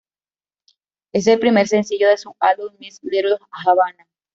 Es el primer sencillo de su álbum Miss Little Havana.